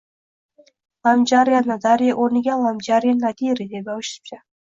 Lomjariya Nodari oʻrniga Lomjariya Nadiri deb yozishibdi.